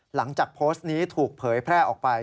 หลังจากโพสต์นี้ถูกเผยแพร่ออกไป